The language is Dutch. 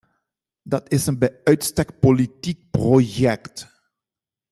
Dit is een bij uitstek politiek project.